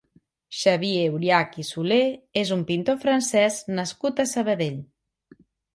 Xavier Oriach i Soler és un pintor francès nascut a Sabadell.